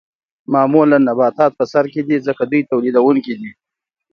معمولاً نباتات په سر کې دي ځکه دوی تولیدونکي دي